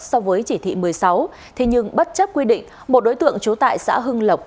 so với chỉ thị một mươi sáu thế nhưng bất chấp quy định một đối tượng trú tại xã hưng lộc